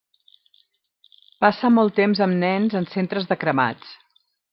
Passa molt temps amb nens en centres de cremats.